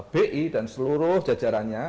bi dan seluruh jajarannya